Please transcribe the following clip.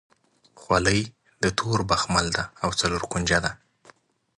خولۍ د تور بخمل ده او څلور کونجه ده.